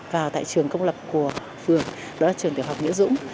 và tại trường công lập của phường đó là trường tiểu học nghĩa dũng